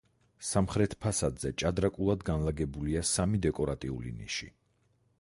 სამხრეთ ფასადზე ჭადრაკულად განლაგებულია სამი დეკორატიული ნიში.